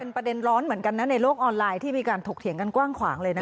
ประเด็นร้อนเหมือนกันนะในโลกออนไลน์ที่มีการถกเถียงกันกว้างขวางเลยนะ